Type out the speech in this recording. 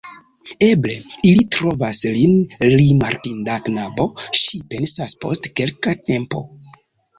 Eble ili trovas lin rimarkinda knabo, ŝi pensas post kelka tempo.